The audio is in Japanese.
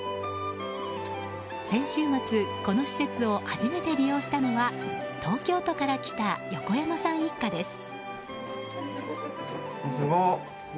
先週末この施設を初めて利用したのは東京都から来た横山さん一家です。